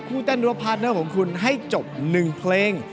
เต้นรัวพาร์ทเนอร์ของคุณให้จบ๑เพลง